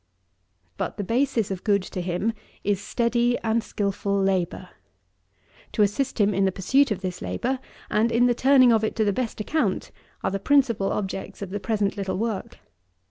16. But, the basis of good to him, is steady and skilful labour. To assist him in the pursuit of this labour, and in the turning of it to the best account, are the principal objects of the present little work.